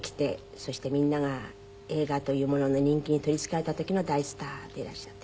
そしてみんなが映画というものの人気に取りつかれた時の大スターでいらっしゃって。